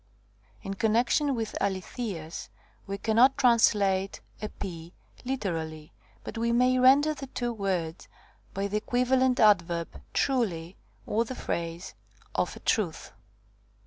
5 In connection with ἀληθείας we cannot translate ἐπί literally, but we may render the two words by the equivalent adverb truly, or the phrase of a truth.